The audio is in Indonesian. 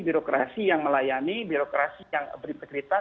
birokrasi yang melayani birokrasi yang berintegritas